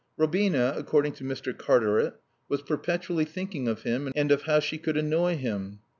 Robina, according to Mr. Cartaret, was perpetually thinking of him and of how she could annoy him.